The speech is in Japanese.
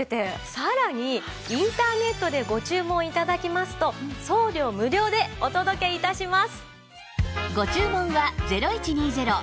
さらにインターネットでご注文頂きますと送料無料でお届け致します。